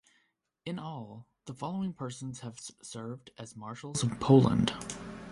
In all, the following persons have served as Marshals of Poland.